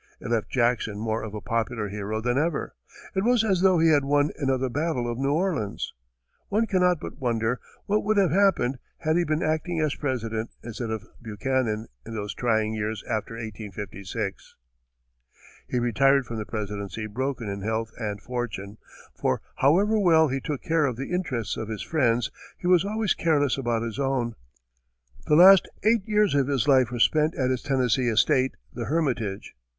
It left Jackson more of a popular hero than ever; it was as though he had won another battle of New Orleans. One cannot but wonder what would have happened had he been acting as President, instead of Buchanan, in those trying years after 1856. He retired from the presidency broken in health and fortune, for however well he took care of the interests of his friends, he was always careless about his own. The last eight years of his life were spent at his Tennessee estate, The Hermitage.